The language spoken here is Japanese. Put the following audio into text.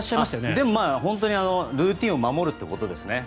でも、本当にルーティンを守るということですね。